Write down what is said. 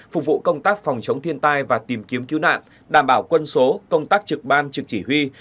phục vụ công tác phòng chống thiên tai và tìm kiếm cứu nạn đảm bảo quân số công tác trực ban trực chỉ huy